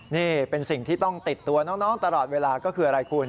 นี่เป็นสิ่งที่ต้องติดตัวน้องตลอดเวลาก็คืออะไรคุณ